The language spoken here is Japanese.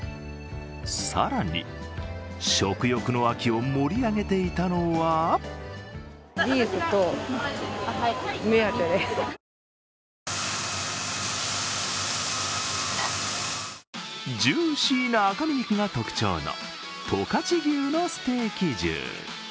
更に、食欲の秋を盛り上げていたのはジューシーな赤身肉が特徴の十勝牛のステーキ重。